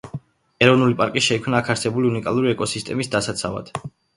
ეროვნული პარკი შეიქმნა აქ არსებული უნიკალური ეკოსისტემის დასაცავად.